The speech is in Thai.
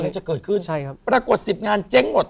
จะเกิดขึ้นใช่ครับปรากฏสิบงานเจ๊งหมด